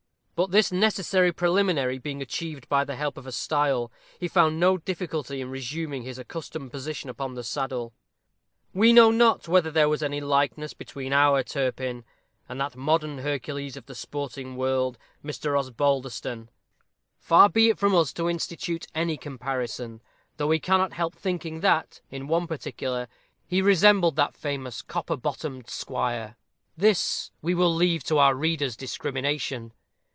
But this necessary preliminary being achieved by the help of a stile, he found no difficulty in resuming his accustomed position upon the saddle. We know not whether there was any likeness between our Turpin and that modern Hercules of the sporting world, Mr. Osbaldeston. Far be it from us to institute any comparison, though we cannot help thinking that, in one particular, he resembled that famous "copper bottomed" squire. This we will leave to our reader's discrimination.